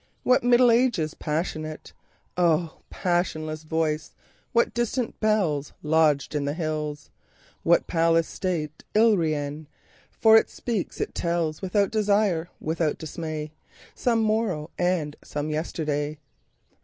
What Middle Ages passionate,O passionless voice! What distant bellsLodged in the hills, what palace stateIllyrian! For it speaks, it tells, Without desire, without dismay, Some morrow and some yesterday.